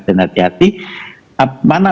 dan hati hati mana